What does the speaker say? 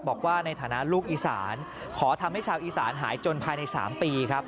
บอกว่าในฐานะลูกอีสานขอทำให้ชาวอีสานหายจนภายใน๓ปีครับ